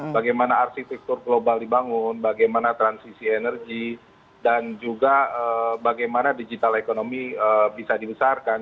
bagaimana arsitektur global dibangun bagaimana transisi energi dan juga bagaimana digital ekonomi bisa dibesarkan